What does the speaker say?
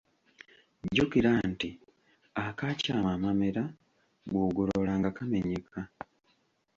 Jjukira nti "Akaakyama amamera bw’ogolola nga kamenyeka".